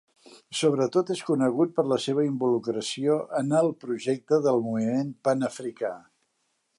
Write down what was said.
Sobretot és conegut per la seva involucració en el projecte del moviment panafricà.